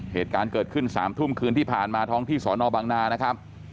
เหตุการณ์เกิดขึ้น๓ทุ่มคืนที่ผ่านมาท้องที่สอนอบังนานะครับ